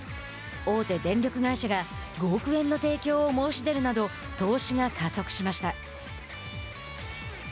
大手電力会社が５億円の提供を申し出るなど投資が加速しました。